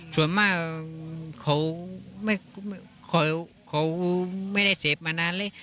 ส่วนมากเขาไม่ได้เสพมานานเลย